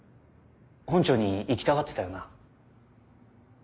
本庁に行きたがってたよな？